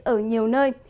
ở nhiều nơi